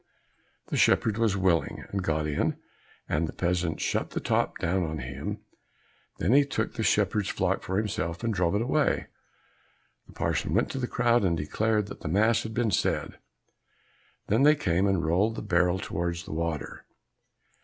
The shepherd was willing, and got in, and the peasant shut the top down on him; then he took the shepherd's flock for himself, and drove it away. The parson went to the crowd, and declared that the mass had been said. Then they came and rolled the barrel towards the water.